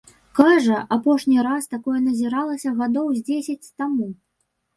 Кажа, апошні раз такое назіралася гадоў з дзесяць таму.